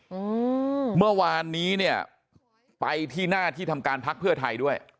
อืมเมื่อวานนี้เนี้ยไปที่หน้าที่ทำการพักเพื่อไทยด้วย